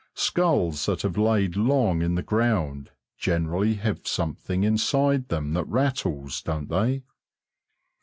Skulls that have lain long in the ground generally have something inside them that rattles, don't they?